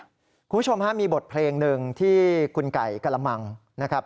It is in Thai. คุณผู้ชมฮะมีบทเพลงหนึ่งที่คุณไก่กระมังนะครับ